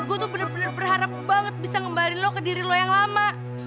gue tuh bener bener berharap banget bisa kembali lo ke diri lo yang lama